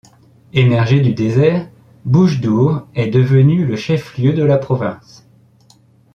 Émergée du désert, Boujdour est devenue le chef-lieu de la province.